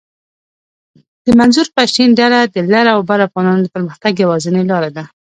د منظور پشتین ډله د لر اوبر افغانانو د پرمختګ یواځنۍ لار ده